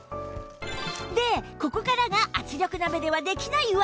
でここからが圧力鍋ではできない技！